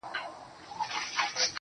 ستادی ،ستادی، ستادی فريادي گلي.